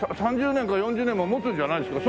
３０年か４０年も持つんじゃないですか？